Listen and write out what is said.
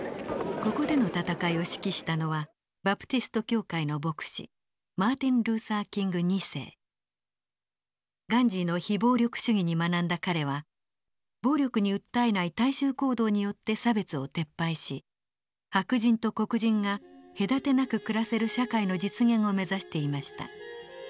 ここでの闘いを指揮したのはバプティスト教会の牧師ガンジーの非暴力主義に学んだ彼は暴力に訴えない大衆行動によって差別を撤廃し白人と黒人が隔てなく暮らせる社会の実現を目指していました。